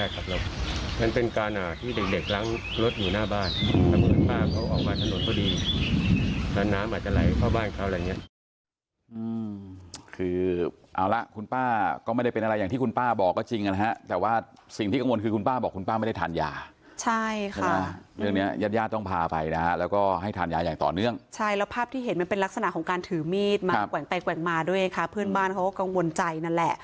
เข้าบ้านอีกครั้งแหละอย่างนี้